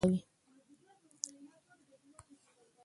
صحي عادتونه د ژوند کیفیت لوړوي.